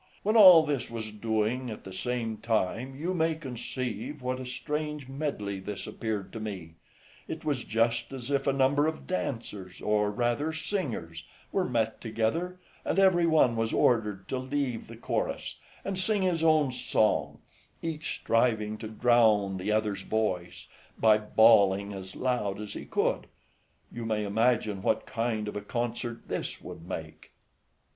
When all this was doing, at the same time, you may conceive what a strange medley this appeared to me; it was just as if a number of dancers, or rather singers, were met together, and every one was ordered to leave the chorus, and sing his own song, each striving to drown the other's voice, by bawling as loud as he could; you may imagine what kind of a concert this would make. FRIEND.